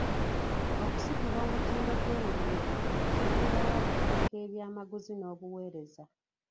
Okusitula omutindo gw'enguudo kiggulawo akatale k'ebyamaguzi n'obuweereza.